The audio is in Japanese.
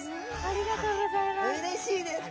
ありがとうございます。